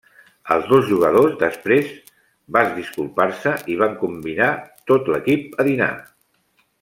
Els dos jugadors després vas disculpar-se i van convidar tot l'equip a dinar.